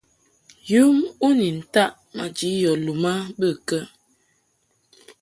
Yum u ni ntaʼ maji yɔ lum a bə kə ?